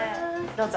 どうぞ。